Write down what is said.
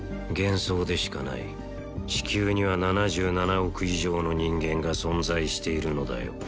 幻想でしかない地球には７７億以上の人間が存在しているのだよ